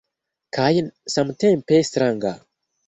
Kaj samtempe stranga.